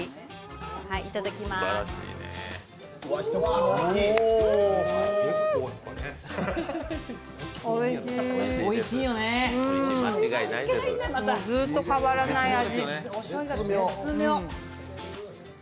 もうずっと変わらない味。